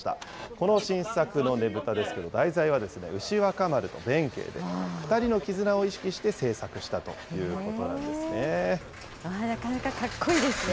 この新作のねぶたですけれども、題材は牛若丸と弁慶で、２人の絆を意識して、制作したということなかなか格好いいですね。